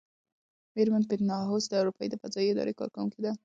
مېرمن بینتهاوس د اروپا د فضايي ادارې کارکوونکې ده.